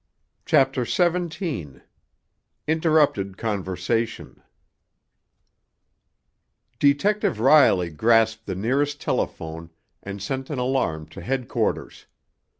CHAPTER XVII—INTERRUPTED CONVERSATION Detective Riley grasped the nearest telephone and sent an alarm to headquarters.